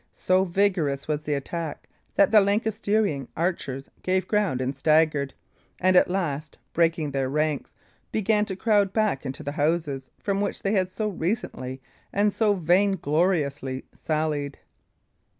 So vigorous was the attack, that the Lancastrian archers gave ground and staggered, and, at last, breaking their ranks, began to crowd back into the houses from which they had so recently and so vaingloriously sallied.